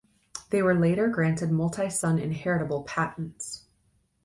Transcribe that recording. They were later granted multi-son inheritable "Patents".